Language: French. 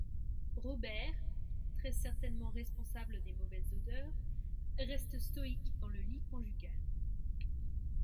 Robert, très certainement responsable des mauvaises odeurs, reste stoïque dans le lit conjugal.